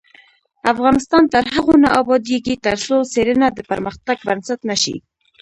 افغانستان تر هغو نه ابادیږي، ترڅو څیړنه د پرمختګ بنسټ نشي.